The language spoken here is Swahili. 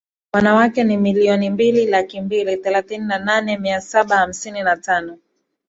wanawake ni milioni mbili laki mbili thelathini na nane mia saba hamsini na tano